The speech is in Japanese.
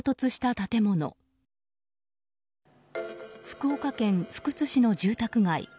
福岡県福津市の住宅街。